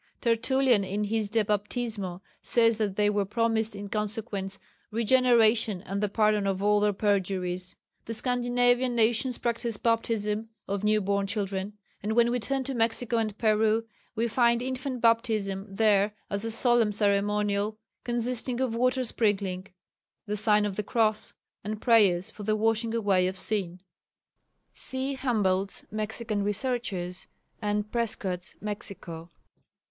Tertullian in his De Baptismo says that they were promised in consequence "regeneration and the pardon of all their perjuries." The Scandinavian nations practised baptism of new born children; and when we turn to Mexico and Peru we find infant baptism there as a solemn ceremonial, consisting of water sprinkling, the sign of the cross, and prayers for the washing away of sin (see Humboldt's Mexican Researches and Prescott's Mexico).